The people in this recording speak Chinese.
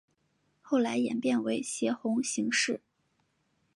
后来演变为斜红型式。